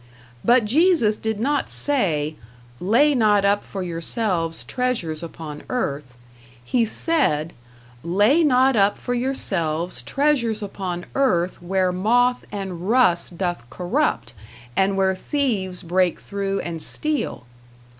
But Jesus did not say, "Lay not up for yourselves treasures upon earth." He said, "Lay not up for yourselves treasures upon earth where moth and rust doth corrupt and where thieves break through and steal."